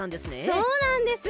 そうなんです！